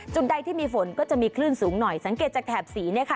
จุดใดที่มีฝนก็จะมีคลื่นสูงหน่อยสังเกตจากแถบสี